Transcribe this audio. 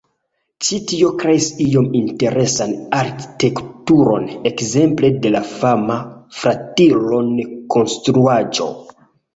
Ĉi tio kreis iom interesan arkitekturon, ekzemple de la fama Flatiron-Konstruaĵo.